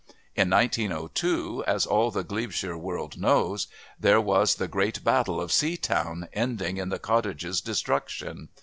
In 1902, as all the Glebeshire world knows, there was the great battle of Seatown, ending in the cottages' destruction.